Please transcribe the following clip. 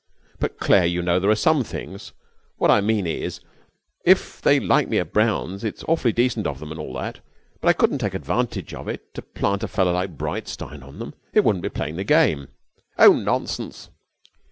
'But, Claire, you know, there are some things what I mean is, if they like me at Brown's, it's awfully decent of them and all that, but I couldn't take advantage of it to plant a fellow like Breitstein on them. It wouldn't be playing the game.' 'Oh, nonsense!'